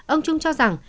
ông trung cho rằng